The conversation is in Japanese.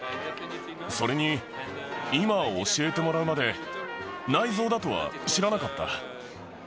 それに、いま教えてもらうまで、内臓だとは知らなかった。